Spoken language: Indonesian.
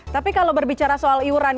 tapi kalau berbicara soal iuran